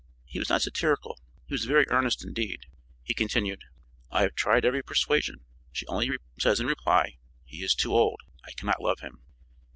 He was not satirical; he was very earnest indeed. He continued: "I have tried every persuasion. She only says in reply: 'He is too old. I cannot love him.'"